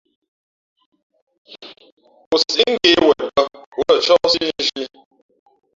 O sǐʼ ngě wen bᾱ, ǒ lα cóhsí nzhī ī .